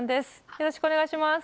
よろしくお願いします。